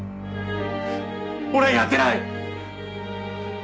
俺はやってない！